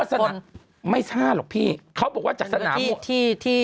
๕๐คนไม่ช่าหรอกพี่เขาบอกว่าจากสนามมัว